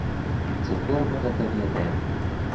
Цяпер мы гэта ведаем.